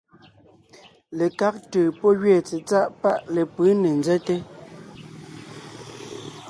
Lekág ntʉ̀ pɔ́ gẅeen tsetsáʼ paʼ lepʉ̌ ne nzɛ́te,